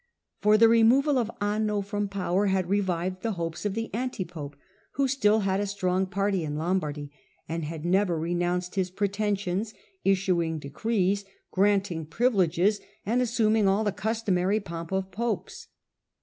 For the re itaiypro. moval of Auno from power had revived the Sra^ted hopes of the anti pope, who still had a strong party in Lombardy, and had never renounced his preten sions, issuing decrees, granting privileges, and assum ing all the customary pomp of popes.